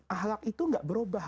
ahlak itu tidak berubah